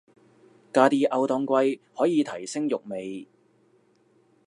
加啲歐當歸可以提升肉味